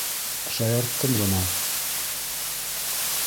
Шаярттым ғына!